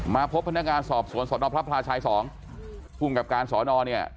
มาพบพนักงานสอบสวนสนพระพลาชายสองภูมิกับการสอนอเนี่ย